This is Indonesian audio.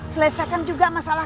selesakan juga masalah